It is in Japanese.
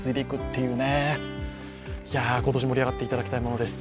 いや、今年、盛り上がっていただきたいものです。